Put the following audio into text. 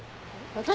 私？